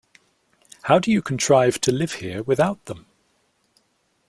How do you contrive to live here without them?